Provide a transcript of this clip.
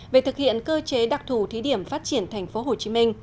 về thực hiện cơ chế đặc thù thí điểm phát triển tp hcm